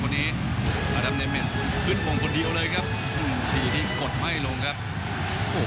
วันนี้ขึ้นวงคนเดียวเลยครับอืมที่ที่กดไม่ลงครับโอ้